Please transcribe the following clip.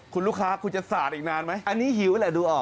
คุณลูกค้าคุณจะสาดอีกนานไหมอันนี้หิวแหละดูออก